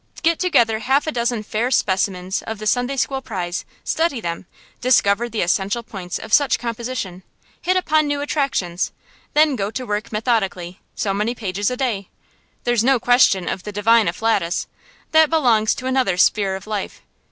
Get together half a dozen fair specimens of the Sunday school prize; study them; discover the essential points of such composition; hit upon new attractions; then go to work methodically, so many pages a day. There's no question of the divine afflatus; that belongs to another sphere of life.